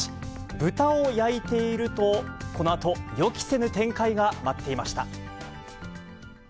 豚を焼いていると、このあと予期せぬ展開が待っていました。